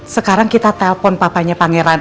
sekarang kita telpon papanya pangeran